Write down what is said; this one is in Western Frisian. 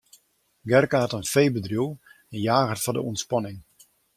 Gerke hat in feebedriuw en jaget foar de ûntspanning.